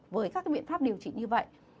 với các biện pháp điều trị như vậy